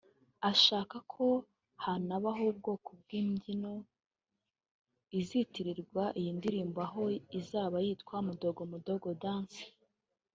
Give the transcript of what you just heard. ashaka ko hanabaho ubwoko bw’ imbyino izitirirwa iyi ndirimbo aho izaba yitwa Mdogo Mdogo Dance